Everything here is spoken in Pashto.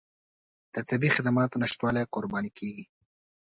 د طبي خدماتو نشتوالي قرباني کېږي.